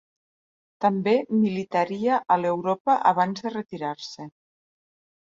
També militaria a l'Europa abans de retirar-se.